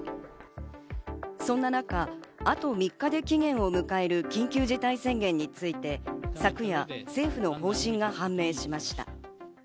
そんな中、あと３日で期限を迎える緊急事態宣言について、昨夜、政府の方針が判明しました。